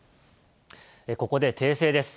ここで訂正です。